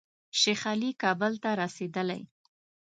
شیخ علي کابل ته رسېدلی.